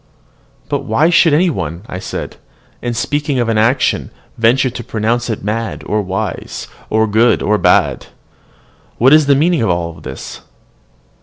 "But why should any one," said I, "in speaking of an action, venture to pronounce it mad or wise, or good or bad? What is the meaning of all this?